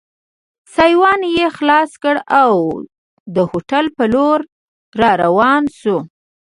سایوان یې خلاص کړ او د هوټل په لور را روان شو.